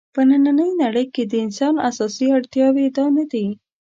په نننۍ نړۍ کې د انسان اساسي اړتیاوې دا نه دي.